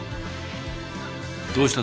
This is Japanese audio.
どうした？